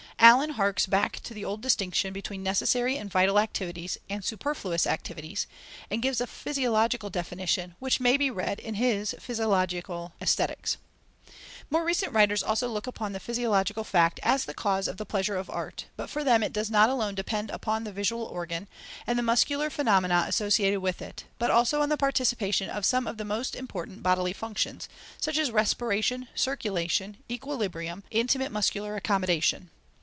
Allen harks back to the old distinction between necessary and vital activities and superfluous activities, and gives a physiological definition, which may be read in his Physiological Aesthetics. More recent writers also look upon the physiological fact as the cause of the pleasure of art; but for them it does not alone depend upon the visual organ, and the muscular phenomena associated with it, but also on the participation of some of the most important bodily functions, such as respiration, circulation, equilibrium, intimate muscular accommodation.